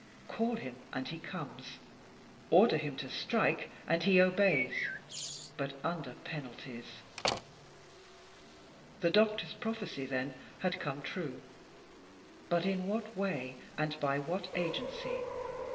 Call him and he comes. Order him to strike and he obeys. But under penalties. The doctor's prophecy, then, had come true. But in what way and by what agency?